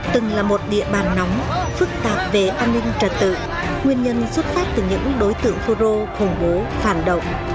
từng là một địa bàn nóng phức tạp về an ninh trật tự nguyên nhân xuất phát từ những đối tượng phun rô khủng bố phản động